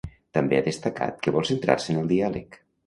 També ha destacat que vol centrar-se en el diàleg.